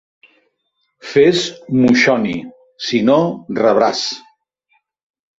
Fes moixoni; si no, rebràs!